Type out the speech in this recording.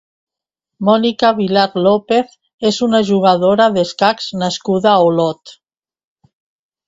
Mònica Vilar López és una jugadora d'escacs nascuda a Olot.